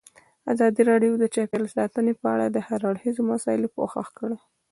ازادي راډیو د چاپیریال ساتنه په اړه د هر اړخیزو مسایلو پوښښ کړی.